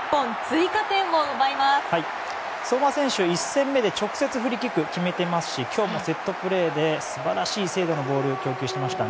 １戦目で直接フリーキック決めてますし今日もセットプレーで素晴らしい精度のボールを供給していました。